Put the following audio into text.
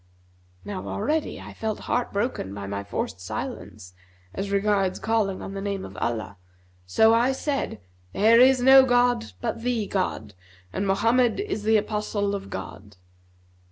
Now already I felt heart broken by my forced silence as regards calling on the name of Allah; so I said, 'There is no god but the God, and Mohammed is the Apostle of God.